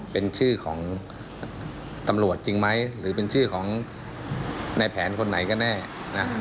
เป็นชื่อของตำรวจจริงไหมหรือเป็นชื่อของในแผนคนไหนก็แน่นะฮะ